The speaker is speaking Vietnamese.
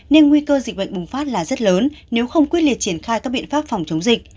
nên nguy cơ dịch bệnh bùng phát là rất lớn nếu không quyết liệt triển khai các biện pháp phòng chống dịch